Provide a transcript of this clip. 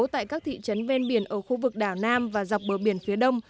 tại các thị trấn ven biển ở khu vực đảo nam và dọc bờ biển phía đông